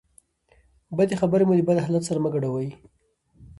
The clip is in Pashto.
بدې خبرې مو د بد حالت سره مه ګډوئ.